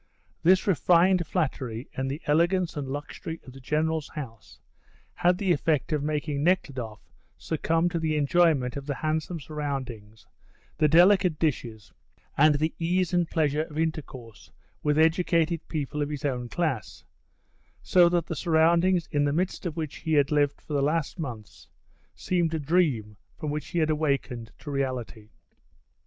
This refined flattery and the elegance and luxury of the General's house had the effect of making Nekhludoff succumb to the enjoyment of the handsome surroundings, the delicate dishes and the ease and pleasure of intercourse with educated people of his own class, so that the surroundings in the midst of which he had lived for the last months seemed a dream from which he had awakened to reality.